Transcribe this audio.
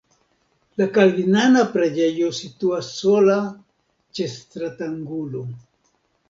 La kalvinana preĝejo situas sola ĉe stratangulo.